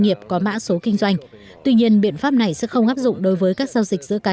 nghiệp có mã số kinh doanh tuy nhiên biện pháp này sẽ không áp dụng đối với các giao dịch giữa cá